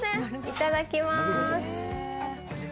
いただきます。